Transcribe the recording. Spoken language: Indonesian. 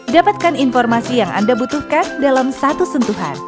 dapatkan informasi yang anda butuhkan dalam satu sentuhan